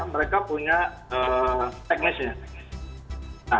mereka punya teknisnya